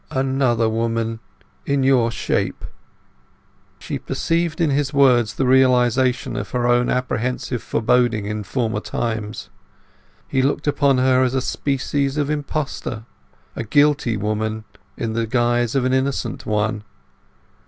"Another woman in your shape." She perceived in his words the realization of her own apprehensive foreboding in former times. He looked upon her as a species of imposter; a guilty woman in the guise of an innocent one.